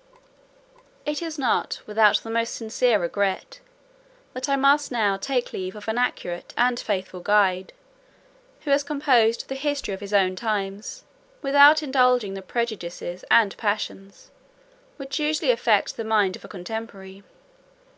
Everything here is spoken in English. ] It is not without the most sincere regret, that I must now take leave of an accurate and faithful guide, who has composed the history of his own times, without indulging the prejudices and passions, which usually affect the mind of a contemporary.